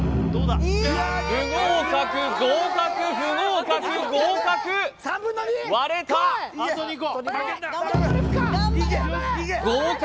不合格合格不合格合格割れた合格